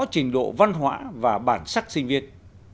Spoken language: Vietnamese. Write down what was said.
trình độ văn hóa và bản sắc sinh viên